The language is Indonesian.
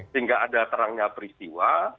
sehingga ada terangnya peristiwa